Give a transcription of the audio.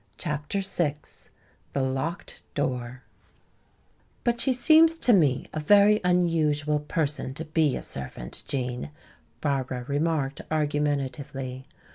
CHAPTER VI The Locked Door "But she seems to me a very unusual person to be a servant, Gene," Barbara remarked argumentatively.